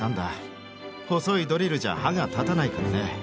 細いドリルじゃ歯が立たないからね。